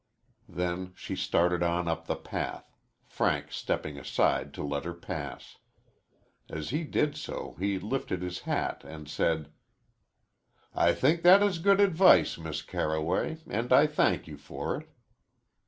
Then she started on up the path, Frank stepping aside to let her pass. As he did so, he lifted his hat and said: "I think that is good advice, Miss Carroway, and I thank you for it."